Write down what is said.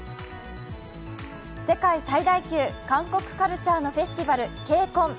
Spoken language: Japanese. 世界最大級、韓国カルチャーのフェスティバル、ＫＣＯＮ。